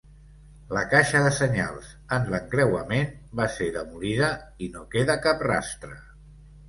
La caixa de senyals en l'encreuament va ser demolida i no queda cap rastre.